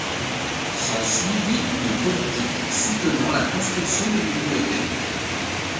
S'en suivi une politique soutenant la construction de bibliothèques.